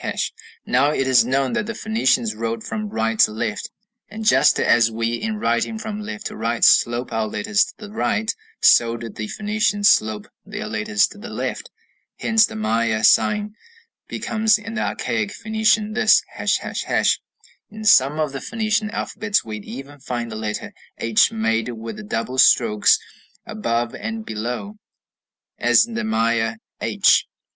Now it is known that the Phoenicians wrote from right to left, and just as we in writing from left to right slope our letters to the right, so did the Phoenicians slope their letters to the left. Hence the Maya sign becomes in the archaic Phoenician this, ###. In some of the Phoenician alphabets we even find the letter h made with the double strokes above and below, as in the Maya h.